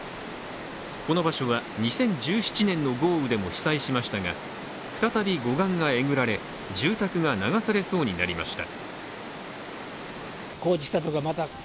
この場所は２０１７年の豪雨でも被災しましたが再び護岸がえぐられ、住宅が流されそうになりました。